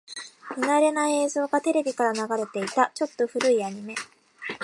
見慣れない映像がテレビから流れていた。ちょっと古いアニメ。